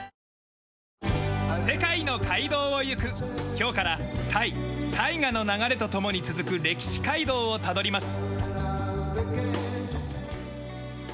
今日からタイ大河の流れと共に続く歴史街道をたどります。